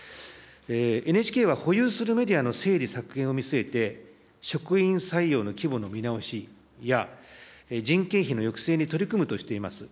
ＮＨＫは、保有するメディアの整理削減を見据えて、職員採用の規模の見直しや、人件費の抑制に取り組むとしています。